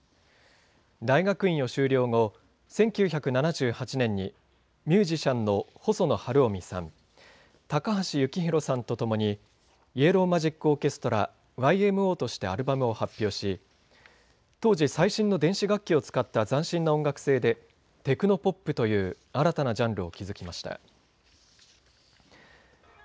大学院を終了後１９７８年にミュージシャンの細野晴臣さん高橋幸宏さんと共にイエロー・マジック・オーケストラＹＭＯとしてアルバムを発表し当時最新の電子楽器を使った斬新な音楽性でテクノポップという新たなジャンルを築きました。